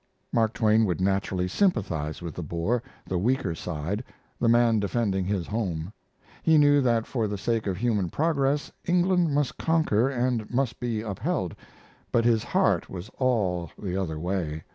Mark Twain would naturally sympathize with the Boer the weaker side, the man defending his home. He knew that for the sake of human progress England must conquer and must be upheld, but his heart was all the other way.